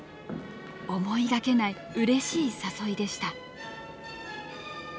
思いがけないうれしい誘いでした。